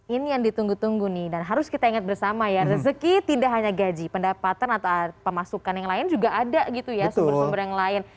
ini yang ditunggu tunggu nih dan harus kita ingat bersama ya rezeki tidak hanya gaji pendapatan atau pemasukan yang lain juga ada gitu ya sumber sumber yang lain